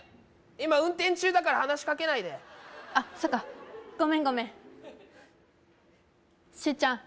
今運転中だから話しかけないであっそうかごめんごめん周ちゃん